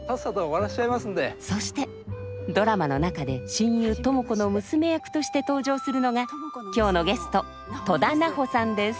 そしてドラマの中で親友知子の娘役として登場するのが今日のゲスト戸田菜穂さんです